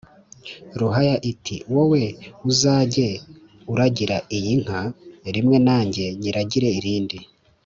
ruhaya iti: "Wowe uzajye uragira iyi nka rimwe nanjye nyiragire irindi"